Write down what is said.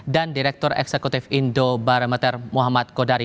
dan direktur eksekutif indo barometer muhammad kodari